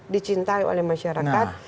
dicintai oleh masyarakat